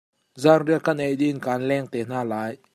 Zaanriah ka ei dih in kaan leng te hna lai.